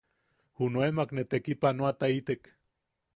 Junaemak ne tekipanoataitek.